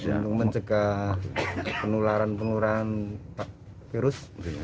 untuk mencegah penularan penularan virus